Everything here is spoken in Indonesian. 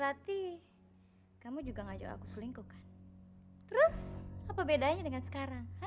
apa bedanya dengan sekarang